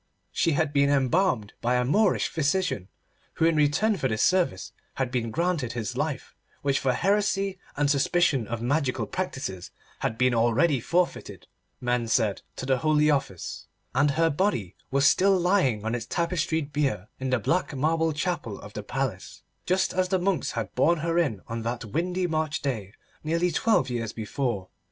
She had been embalmed by a Moorish physician, who in return for this service had been granted his life, which for heresy and suspicion of magical practices had been already forfeited, men said, to the Holy Office, and her body was still lying on its tapestried bier in the black marble chapel of the Palace, just as the monks had borne her in on that windy March day nearly twelve years before.